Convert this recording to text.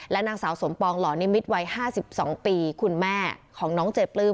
และนางสาวสมพาลนิมิตไว้๕๒ปีคุณแม่ของน้องเจ๊ปลื้ม